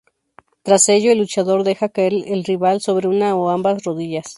Tras ello, el luchador deja caer al rival sobre una o ambas rodillas.